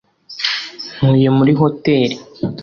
Ntuye muri hoteri